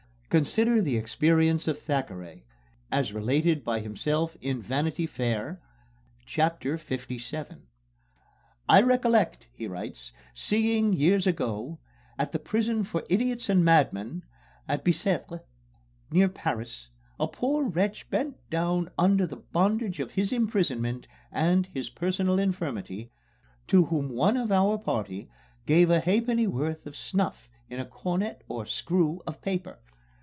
Consider the experience of Thackeray, as related by himself in "Vanity Fair" (Chapter LVII). "I recollect," he writes, "seeing, years ago, at the prison for idiots and madmen, at Bicêtre, near Paris, a poor wretch bent down under the bondage of his imprisonment and his personal infirmity, to whom one of our party gave a halfpennyworth of snuff in a cornet or 'screw' of paper.